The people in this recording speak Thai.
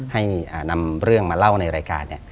ให้นำเรื่องมาเล่าในรายการ